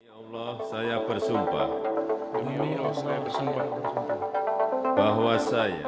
ya allah saya bersumpah bahwa saya